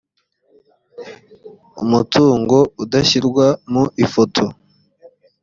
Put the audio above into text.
umutungo udashyirwa mu ifoto